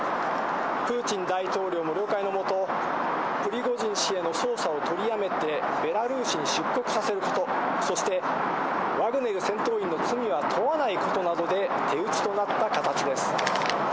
プーチン大統領も了解のもと、プリゴジン氏への捜査を取りやめてベラルーシに出国させること、そして、ワグネル戦闘員の罪は問わないことなどで手打ちとなった形です。